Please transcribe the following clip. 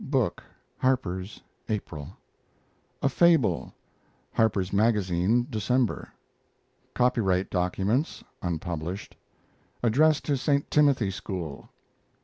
book (Harpers), April. A FABLE Harper's Magazine December. Copyright documents (unpublished). Address to St. Timothy School.